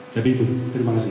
jadi itu terima kasih